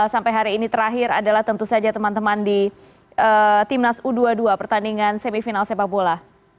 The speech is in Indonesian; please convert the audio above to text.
sampai hari ini terakhir adalah tentu saja teman teman di timnas u dua puluh dua pertandingan semifinal sepak bola